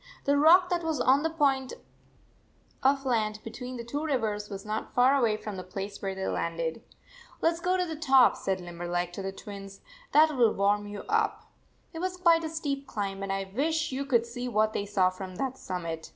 The rock that was on the point of land 78 between the two rivers was not far away from the place where they landed. " Let s go to the top," said Limberleg to the Twins. "That will warm you up." It was quite a steep climb, and I wish you could see what they saw from that summit.